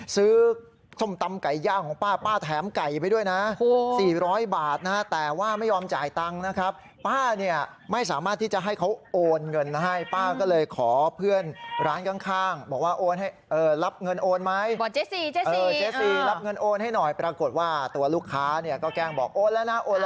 ซื้อส้มตำไก่ย่างของป้าป้าแถมไก่ไปด้วยนะ